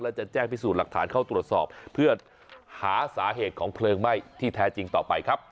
และจะแจ้งพิสูจน์หลักฐานเข้าตรวจสอบเพื่อหาสาเหตุของเพลิงไหม้ที่แท้จริงต่อไปครับ